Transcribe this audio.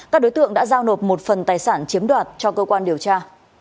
các đối tượng đã giao nộp một phần tài sản chiếm đoạt cho cơ quan điều tra